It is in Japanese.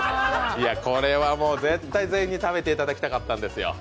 これは絶対全員に食べてもらいたかったんですよ。